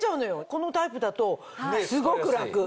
このタイプだとすごく楽。